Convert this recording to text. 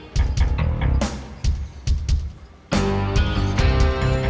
mayatnya seperti nahgota